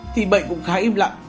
thì bệnh cũng khá im lặng